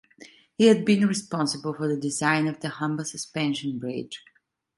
He had been responsible for the design of the Humber Suspension Bridge.